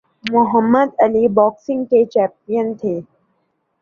محمد Ali boxing کے champion تھے